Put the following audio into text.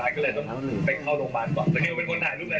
แล้วใช้ลับก่อนติดเชื้อขึ้นมาหักเส็งขึ้นมา